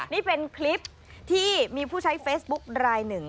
นี่เป็นคลิปที่มีผู้ใช้เฟซบุ๊กรายหนึ่ง